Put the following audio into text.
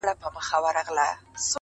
ما په ژړغوني اواز دا يــوه گـيـله وكړه’